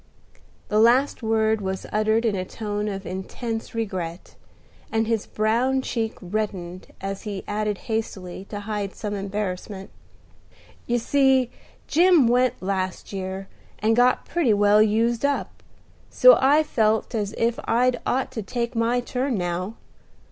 The last word was uttered in a tone of intense regret, and his brown cheek reddened as he added hastily, to hide some embarrassment. "You see, Jim went last year, and got pretty well used up; so I felt as if I'd ought to take my turn now.